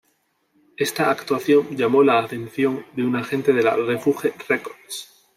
Esta actuación llamó la atención de un agente de la Refuge Records.